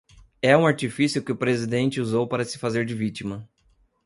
É um artifício que o presidente usou para se fazer de vítima